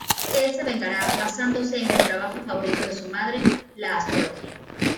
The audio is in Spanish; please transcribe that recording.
Él se vengará basándose en el trabajo favorito de su madre, la astrología.